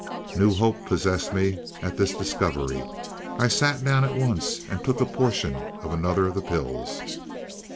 "New hope possessed me at this discovery. I sat down at once and took a portion of another of the pills.